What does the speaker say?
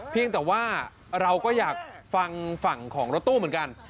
เพียงแต่ว่าเราก็อยากฟังฝั่งของรถตู้เหมือนกัน